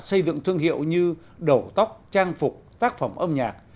xây dựng thương hiệu như đầu tóc trang phục tác phẩm âm nhạc